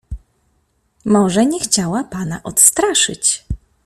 "Może nie chciała pana odstraszyć."